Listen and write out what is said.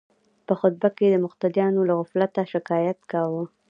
په خطبه کې د مقتدیانو له غفلته شکایت کاوه.